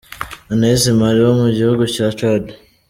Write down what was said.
Anais Mali wo mu gihugu cya Chad.